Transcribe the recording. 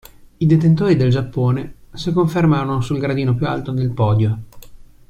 I detentori del Giappone si confermarono sul gradino più alto del podio.